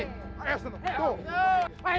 wah terima kasih kepada